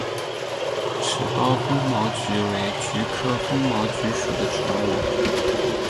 齿苞风毛菊为菊科风毛菊属的植物。